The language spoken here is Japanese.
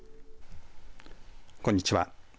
こんにちは。